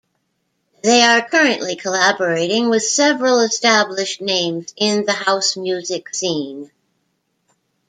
They are currently collaborating with several established names in the house music scene.